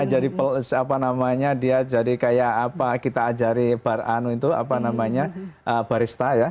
jadi tour guide nya jadi apa namanya dia jadi kayak apa kita ajarin bar anu itu apa namanya barista ya